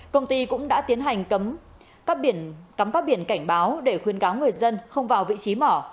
công ty cũng đã tiến hành cắm các biển cảnh báo để khuyên cáo người dân không vào vị trí mỏ